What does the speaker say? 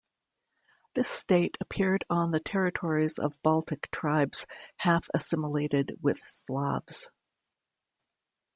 This state appeared on the territories of Baltic tribes half-assimilated with Slavs.